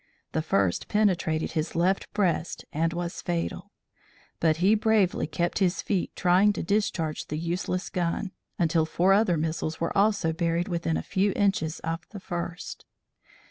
The first penetrated his left breast and was fatal; but he bravely kept his feet trying to discharge the useless gun, until four other missiles were also buried within a few inches of the first.